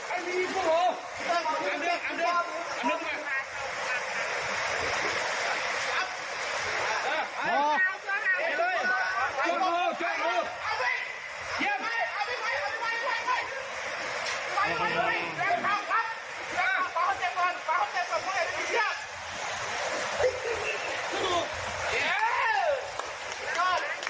เอาลองดูเองค่ะ